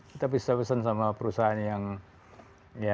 kita bisa pesen sama perusahaan yang ya